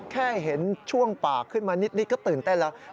แค่เห็นช่วงปากขึ้นมานิดก็ตื่นเต้นแล้ว